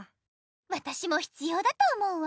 わたしもひつようだと思うわ。